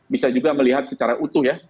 bisa juga melihat secara utuh ya